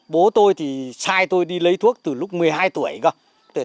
bố tôi thì sai tôi đi lấy thuốc từ lúc một mươi hai tuổi cơ